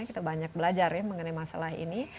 kita banyak belajar ya mengenai masalah ini